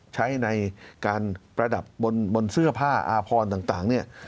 ใช้ในการประดับบนเสื้อผ้าอาพรต่างเนี่ย